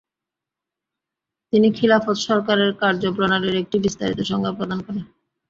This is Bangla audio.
তিনি খিলাফত সরকারের কার্যপ্রণলীর একটি বিস্তারিত সংজ্ঞা প্রদান করে।